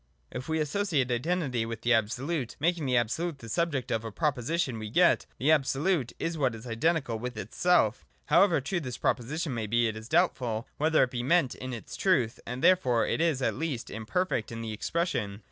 If we associate Identity with the Absolute, making the Absolute the subject of a proposition, we get : The Absolute is what is identical with itself However true this proposition may be, it is doubtful whether it be meant in its truth : and therefore it is at least imperfect in the expression.